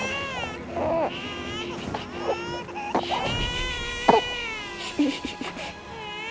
saya gedung yukens